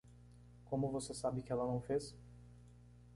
Como você sabe que ela não fez?